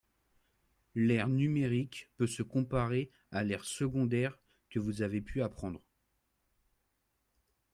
L'aire numérique peut se comparer à l'aire secondaire que vous avez pu apprendre